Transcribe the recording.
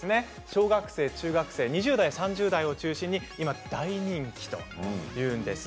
小学生、中学生、２０代３０代を中心に今、大人気というんです。